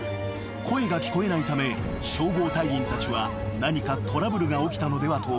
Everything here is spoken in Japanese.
［声が聞こえないため消防隊員たちは何かトラブルが起きたのではと思い